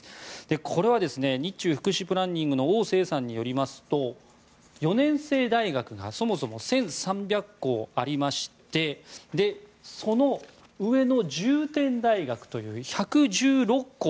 これは日中福祉プランニングのオウ・セイさんによりますと４年制大学がそもそも１３００校ありましてその上の重点大学という１１６校